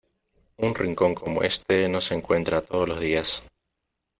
Un rincón como este no se encuentra todos los días.